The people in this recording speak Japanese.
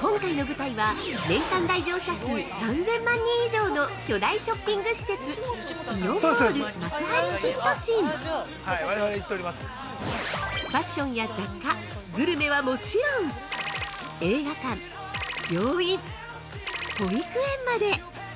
今回の舞台は、年間来場者数３０００万人以上の巨大ショッピング施設「イオンモール幕張新都心」ファッションや雑貨、グルメはもちろん映画館、病院、保育園まで！